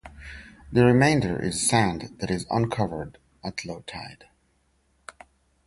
The remainder is sand that is uncovered at low tide.